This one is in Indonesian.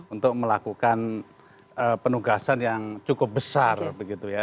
untuk melakukan penugasan yang cukup besar begitu ya